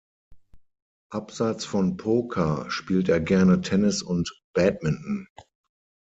Abseits von Poker spielt er gerne Tennis und Badminton.